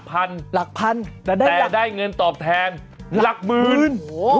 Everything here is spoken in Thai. แต่ได้เงินตอบแทนหลักหมื่น